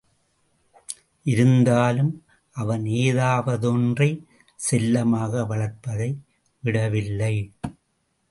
இருந்தாலும் அவன் ஏதாவதொன்றைச் செல்லமாக வளர்ப்பதை விடவில்லை.